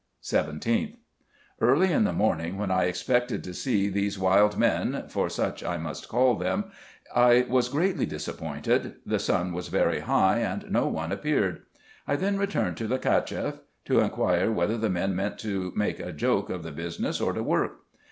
17th. — Early in the morning when I expected to see these wild men, for such I must call them, I was greatly disappointed : the sun was very high, and no one appeared. I then returned to the Cacheff, to inquire whether the men meant to make a joke of the business, or to work.